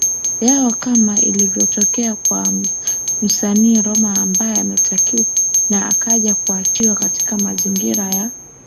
yao kama ilivyotokea kwa msanii Roma ambaye ametekwa na akaja kuachiwa katika mazingira ya